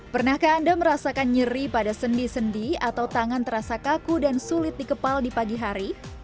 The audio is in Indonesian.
pernahkah anda merasakan nyeri pada sendi sendi atau tangan terasa kaku dan sulit dikepal di pagi hari